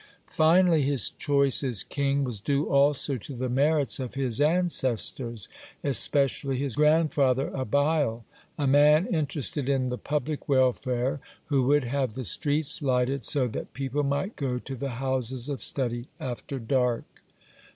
(54) Finally, his choice as king was due also to the merits of his ancestors, especially his grandfather Abiel, a man interested in the public welfare, who would have the streets lighted so that people might go to the houses of study after dark.